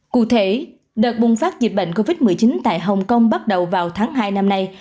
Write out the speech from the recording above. cụ thể đợt bùng phát dịch bệnh covid một mươi chín tại hồng kông bắt đầu vào tháng hai năm nay